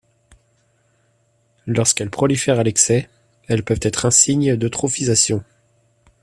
Lorsqu'elles prolifèrent à l'excès, elles peuvent être un signe d'eutrophisation.